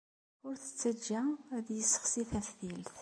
Ur t-ttajja ad yessexsi taftilt.